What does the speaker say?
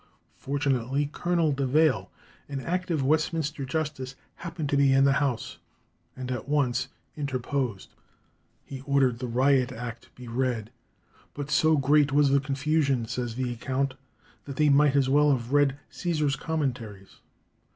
Fortunately Colonel de Veil, an active Westminster justice, happened to be in the house, and at once interposed. He ordered the Riot Act to be read, but "so great was the confusion," says the account, "that they might as well have read Cæsar's 'Commentaries.'"